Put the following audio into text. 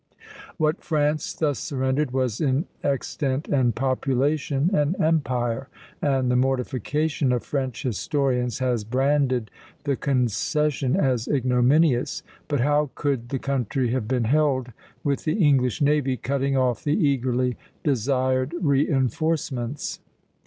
What France thus surrendered was in extent and population an empire, and the mortification of French historians has branded the concession as ignominious; but how could the country have been held, with the English navy cutting off the eagerly desired reinforcements?